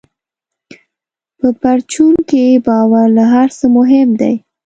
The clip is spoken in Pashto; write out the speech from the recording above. په پرچون کې باور له هر څه مهم دی.